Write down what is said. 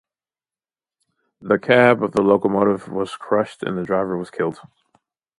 The cab of the locomotive was crushed and the driver was killed.